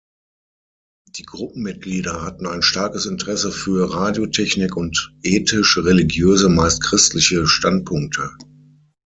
Die Gruppenmitglieder hatten ein starkes Interesse für Radiotechnik und ethisch-religiöse, meist christliche, Standpunkte.